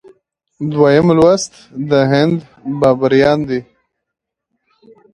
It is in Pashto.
دویم لوست د هند بابریان دي.